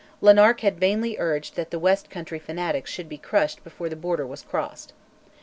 Lanark had vainly urged that the west country fanatics should be crushed before the Border was crossed.